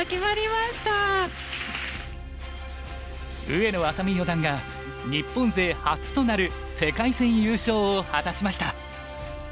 上野愛咲美四段が日本勢初となる世界戦優勝を果たしました。